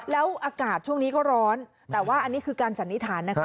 แล้วอากาศช่วงนี้ก็ร้อนแต่ว่าอันนี้คือการสันนิษฐานนะคะ